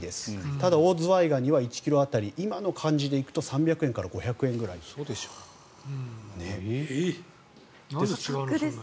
ただオオズワイガニは１ｋｇ当たり今の感じで行くと３００円から５００円くらい。何が違うのかな。